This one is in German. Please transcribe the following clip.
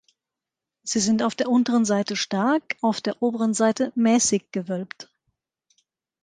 Sie sind auf der unteren Seite stark, auf der oberen Seite mäßig gewölbt.